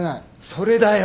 それだよ！